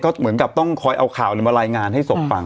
เหมือนกับต้องคอยเอาข่าวมารายงานให้ศพฟัง